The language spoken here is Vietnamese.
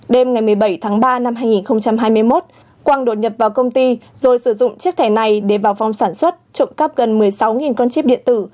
đêm ngày một mươi bảy tháng ba năm hai nghìn hai mươi một quang đột nhập vào công ty rồi sử dụng chiếc thẻ này để vào phòng sản xuất trộm cắp gần một mươi sáu con chip điện tử